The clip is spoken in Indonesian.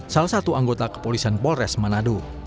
salah satu anggota kepolisan polresta manado